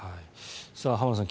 浜田さん